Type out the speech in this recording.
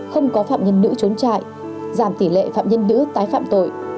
không có phạm nhân nữ trốn trại giảm tỷ lệ phạm nhân nữ tái phạm tội